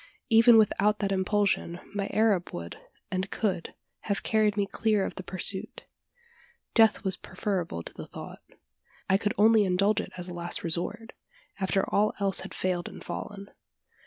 Even without that impulsion, my Arab would, and could, have carried me clear of the pursuit. Death was preferable to the thought. I could only indulge it as a last resort after all else had failed and fallen.